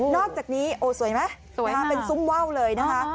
อกจากนี้โอ้สวยไหมสวยเป็นซุ่มว่าวเลยนะคะ